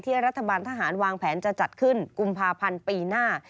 รัฐบาลทหารวางแผนจะจัดขึ้นกุมภาพันธ์ปีหน้า